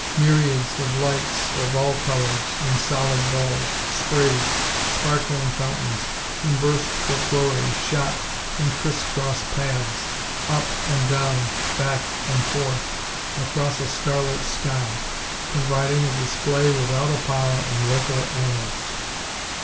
Myriads of lights of all colors, in solid balls, sprays, sparkling fountains, and bursts of glory, shot, in criss cross paths, up and down, back and forth, across a star lit sky; providing a display without a par in local annals.